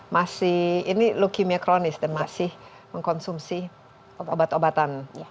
masih ini leukemia kronis dan masih mengkonsumsi obat obatan